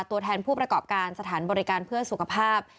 ตัวแทนผู้ประกอบการสถานบริการเพื่อสุขภาพ